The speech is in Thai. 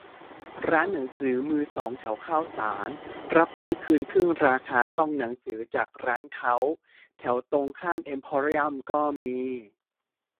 ร้านหนังสือมือสองแถวข้าวสาร รับซื้อคืนครึ่งราคา ต้องหนังสือจากร้านเค้า แถวตรงข้ามเอ็มโพเรียมก็มี